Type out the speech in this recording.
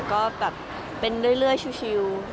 ก็แบบเป็นเรื่อยชิว